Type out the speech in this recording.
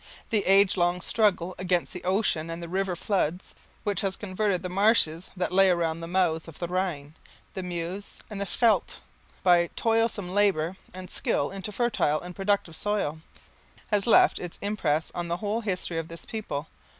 The age long struggle against the ocean and the river floods, which has converted the marshes, that lay around the mouths of the Rhine, the Meuse and the Scheldt, by toilsome labour and skill into fertile and productive soil, has left its impress on the whole history of this people.